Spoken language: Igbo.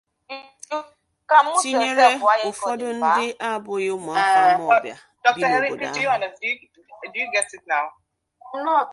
tinyere ụfọdụ ndị abụghị ụmụafọ Amawbịa bi n'obodo ahụ.